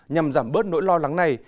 nhằm giảm bớt nỗi lo lắng này